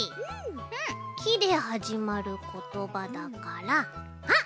「き」ではじまることばだからあっ！